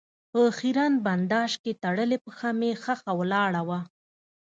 په خېرن بنداژ کې تړلې پښه مې ښخه ولاړه وه.